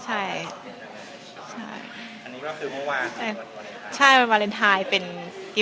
อันนี้ก็คือเมื่อวานวันวาเลนไทย